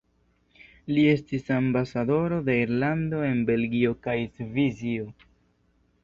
Li estis ambasadoro de Irlando en Belgio kaj Svisio.